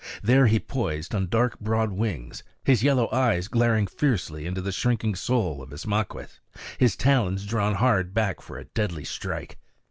There he poised on dark broad wings, his yellow eyes glaring fiercely into the shrinking soul of Ismaquehs, his talons drawn hard back for a deadly strike.